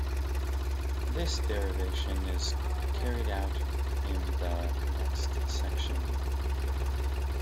This derivation is carried out in the next section.